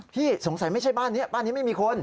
พี่สงสัยไม่ใช่บ้านนี้บ้านนี้ไม่มีคน